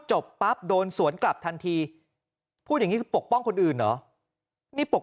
จบปั๊บโดนสวนกลับทันทีพูดอย่างนี้คือปกป้องคนอื่นเหรอนี่ปก